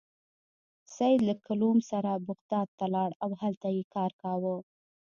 سید له کلوم سره بغداد ته لاړ او هلته یې کار کاوه.